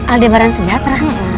aldebaran sejahtera mana